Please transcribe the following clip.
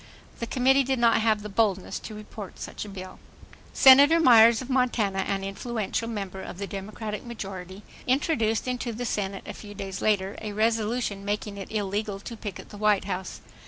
The committee did not have the boldness to report such a bill. Senator Myers of Montana, an influential member of the Democratic majority, introduced into the Senate a few days later a resolution making it illegal to picket the White House.